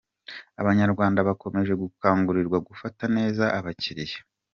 Abanyarwanda bakomeje gukangurirwa gufata neza abakiriya